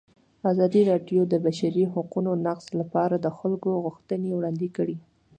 ازادي راډیو د د بشري حقونو نقض لپاره د خلکو غوښتنې وړاندې کړي.